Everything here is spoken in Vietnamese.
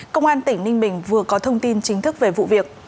công an tỉnh ninh bình vừa có thông tin chính thức về vụ việc